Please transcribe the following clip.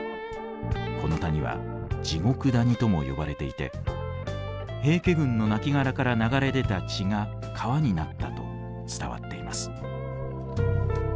この谷は地獄谷とも呼ばれていて平家軍の亡骸から流れ出た血が川になったと伝わっています。